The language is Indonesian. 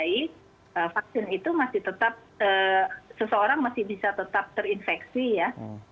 dan kalau protokol kesehatan yang baik vaksin itu masih tetap seseorang masih bisa tetap terinfeksi ya